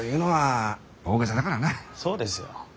そうですよ。